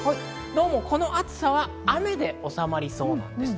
どうもこの暑さは雨でおさまりそうなんです。